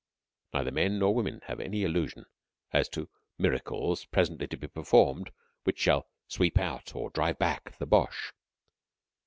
Neither men nor women have any illusion as to miracles presently to be performed which shall "sweep out" or "drive back" the Boche.